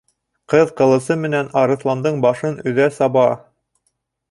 Ҡыҙ ҡылысы менән арыҫландың башын өҙә саба.